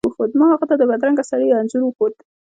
ما هغه ته د بدرنګه سړي انځور وښود.